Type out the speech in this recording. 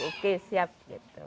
oke siap gitu